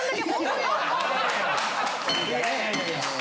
いやいや。